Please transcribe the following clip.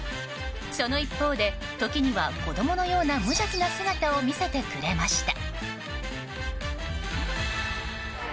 その一方で、時には子供のような無邪気な姿を見せてくれました。